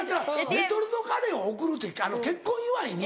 レトルトカレーを贈るって結婚祝いに。